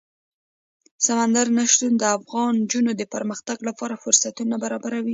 سمندر نه شتون د افغان نجونو د پرمختګ لپاره فرصتونه برابروي.